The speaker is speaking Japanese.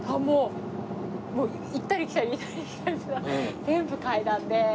もう行ったり来たり行ったり来たりさ全部階段で。